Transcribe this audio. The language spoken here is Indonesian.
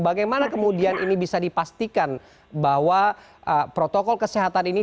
bagaimana kemudian ini bisa dipastikan bahwa protokol kesehatan ini